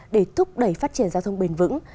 để thúc đẩy phát triển giao thông bền vững